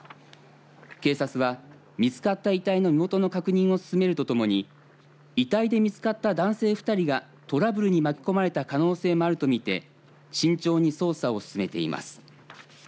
警察は見つかった遺体の身元の確認を進めるとともに遺体で見つかった男性２人がトラブルに巻き込まれた可能性もあると見て慎重に捜査を進めています。